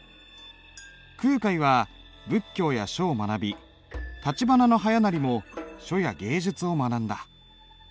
空海は仏教や書を学び橘逸勢も書や芸術を学んだ。